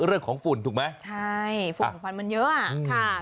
ก็เรื่องของฝุ่นถูกไหมใช่ฝุ่นของฟันมันเยอะ